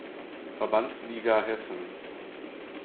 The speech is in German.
Verbandsliga Hessen.